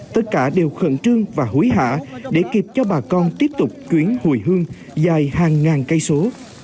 tất cả đều khẩn trương và hối hả để kịp cho bà con tiếp tục chuyến hồi hương dài hàng ngàn cây số